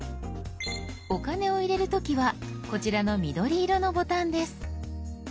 お金を入れる時はこちらの緑色のボタンです。